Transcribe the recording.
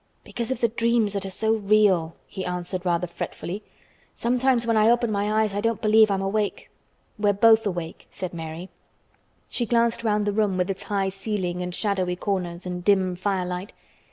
"Because of the dreams that are so real," he answered rather fretfully. "Sometimes when I open my eyes I don't believe I'm awake." "We're both awake," said Mary. She glanced round the room with its high ceiling and shadowy corners and dim fire light.